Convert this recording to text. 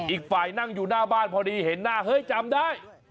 อีกฝ่ายนั่งอยู่หน้าบ้านพอดีเห็นหน้าเฮ้ยจำได้